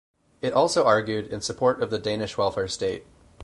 It also argued in support of the Danish welfare state.